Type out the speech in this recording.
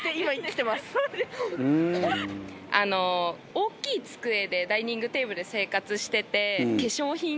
大きい机でダイニングテーブルで生活してて。